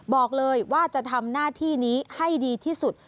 บอกเลยว่าจะทำหน้าที่นี้ให้ดีที่สุด